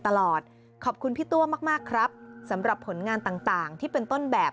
ขอบคุณพี่ตัวมากครับสำหรับผลงานต่างที่เป็นต้นแบบ